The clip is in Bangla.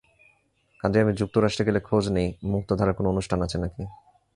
কাজেই আমি যুক্তরাষ্ট্রে গেলে খোঁজ নিই, মুক্তধারার কোনো অনুষ্ঠান আছে নাকি।